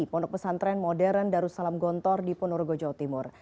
pondok pesantren modern darussalam gontor di ponorogo jawa timur